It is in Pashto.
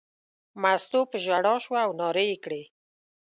مستو په ژړا شوه او نارې یې کړې.